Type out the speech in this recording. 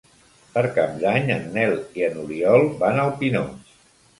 Per Cap d'Any en Nel i n'Oriol van al Pinós.